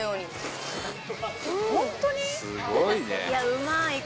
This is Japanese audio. うまい。